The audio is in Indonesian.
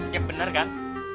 cep bener kan